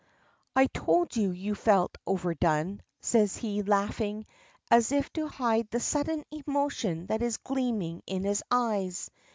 "I told you you felt overdone," says he, laughing as if to hide the sudden emotion that is gleaming in his eyes.